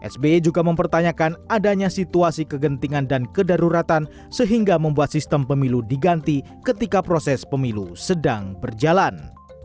sbe juga mempertanyakan adanya situasi kegentingan dan kedaruratan sehingga membuat sistem pemilu diganti ketika proses pemilu sedang berjalan